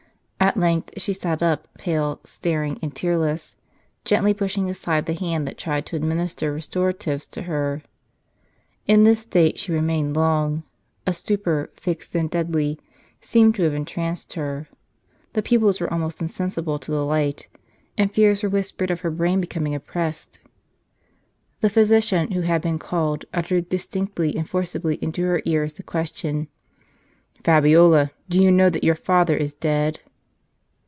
At length she sat up, pale, staring, and tearless, gently pushing aside the hand that tried to adminis ter restoratives to her. In this state she remained long ; a stupor, fixed and deadly, seemed to have entranced her ; the pupils were almost insensible to the light, and fears were whispered of her brain becoming oppressed. The physician, who had been called, uttered distinctly and forcibly into her ears the question :" Fabiola, do you know that your father is dead